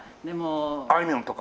あいみょんとか？